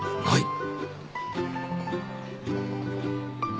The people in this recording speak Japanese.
はい。